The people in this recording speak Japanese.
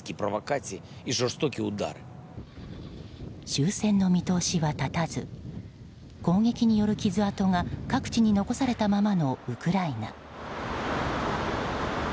終戦の見通しは立たず攻撃による傷痕が各地に残されたままのウクライナ。